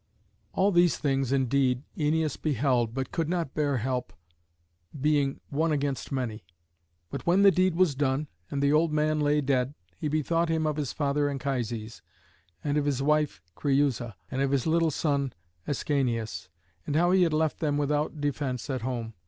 All these things, indeed, Æneas beheld, but could not bear help, being one against many. But when the deed was done, and the old man lay dead, he bethought him of his father Anchises, and his wife Creüsa, and of his little son Ascanius, and how he had left them without defence at home.